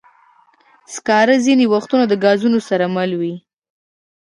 سکاره ځینې وختونه د ګازونو سره مله وي.